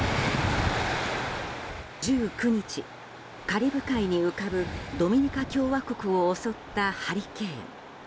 １９日、カリブ海に浮かぶドミニカ共和国を襲ったハリケーン。